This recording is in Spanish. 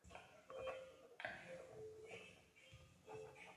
Está nombrado por la ciudad francesa de Juvisy-sur-Orge.